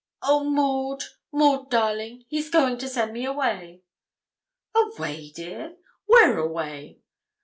'Oh! Maud Maud darling, he's going to send me away.' 'Away, dear! where away?